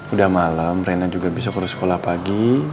udah malem rena juga besok harus sekolah pagi